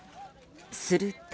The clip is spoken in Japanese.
すると。